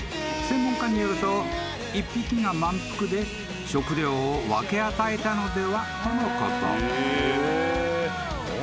［専門家によると一匹が満腹で食料を分け与えたのではとのこと］